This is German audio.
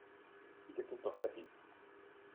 Hier gibt es doch Öffis.